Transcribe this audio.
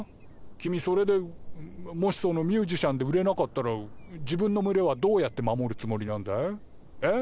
君それでもしそのミュージシャンで売れなかったら自分の群れはどうやって守るつもりなんだい？え？